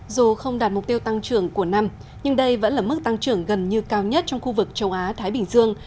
dù không đạt mục tiêu tăng trưởng của năm nhưng đây vẫn là mức tăng trưởng gần như cao nhất trong khu vực châu á thái bình dương